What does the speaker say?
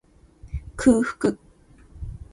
空腹